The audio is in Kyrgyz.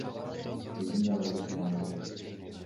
Биздин дагы айта тургандарыбыз бар.